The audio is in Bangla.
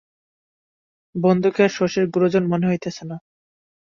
বন্ধুকে আর শশীর গুরুজন মনে হইতেছে না।